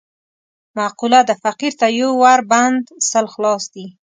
معقوله ده: فقیر ته یو ور بند، سل خلاص دي.